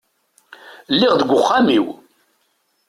Lliɣ deg uxxam-iw.